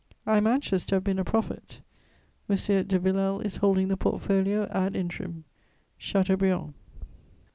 "I am anxious to have been a prophet. M. de Villèle is holding the portfolio ad interim. "CHATEAUBRIAND."